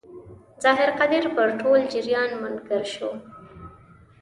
ظاهر قدیر پر ټول جریان منکر شو.